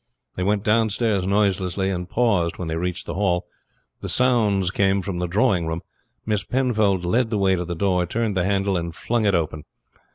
They went downstairs noiselessly, and paused when they reached the hall. The sounds came from the drawing room. Miss Penfold led the way to the door, turned the handle, and flung it open.